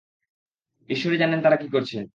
ঈশ্বরই জানেন তারা কি করছে!